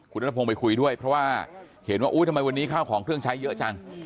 คุณนัทพงศ์ไปคุยด้วยเพราะว่าเห็นว่าอุ๊ยทำไมวันนี้ข้าวของเครื่องใช้เยอะจัง